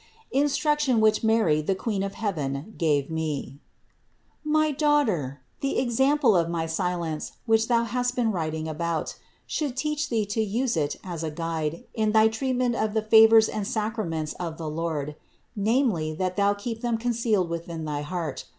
INSTRUCTION WHICH MARY, THE QUEEN OF HEAVEN, GAVE ME. 395. My daughter, the example of my silence, which thou hast been writing about, should teach thee to use it as a guide in thy treatment of the favors and sacraments of the Lord, namely that thou keep them concealed within thy heart.